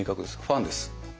ファンです。